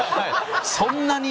そんなに？